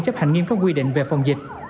chấp hành nghiêm các quy định về phòng dịch